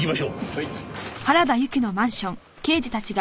はい。